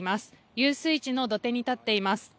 遊水地の土手に立っています。